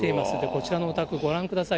こちらのお宅、ご覧ください。